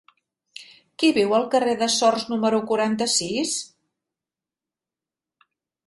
Qui viu al carrer de Sors número quaranta-sis?